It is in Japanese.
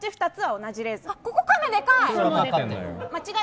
ここ、カメでかい！